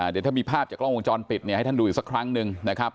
เดี๋ยวถ้ามีภาพจากกล้องวงจรปิดเนี่ยให้ท่านดูอีกสักครั้งหนึ่งนะครับ